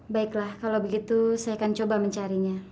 baiklah kalau begitu saya akan mencari dia